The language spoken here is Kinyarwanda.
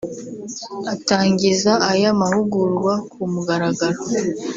Atangiza aya mahugurwa ku mugaragaro